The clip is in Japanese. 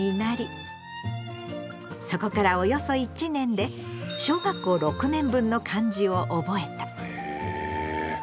そこからおよそ１年で小学校６年分の漢字を覚えた。